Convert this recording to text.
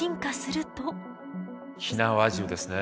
火縄銃ですね。